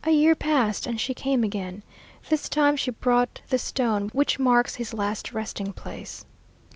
A year passed, and she came again. This time she brought the stone which marks his last resting place.